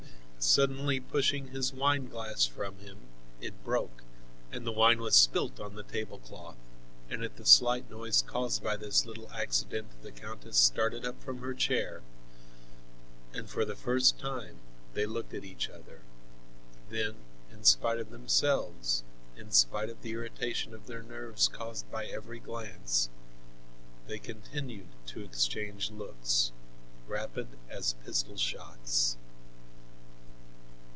Suddenly pushing his wineglass from him, it broke, and the wine was spilt on the tablecloth, and at the slight noise caused by this little accident the countess started up from her chair; and for the first time they looked at each other. Then, in spite of themselves, in spite of the irritation of their nerves caused by every glance, they continued to exchange looks, rapid as pistol shots.